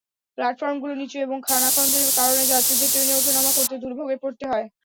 প্ল্যাটফর্মগুলো নিচু এবং খানাখন্দের কারণে যাত্রীদের ট্রেনে ওঠানামা করতে দুর্ভোগে পড়তে হয়।